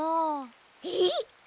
えっ！